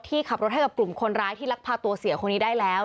ขับรถให้กับกลุ่มคนร้ายที่ลักพาตัวเสียคนนี้ได้แล้ว